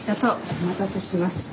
お待たせしました。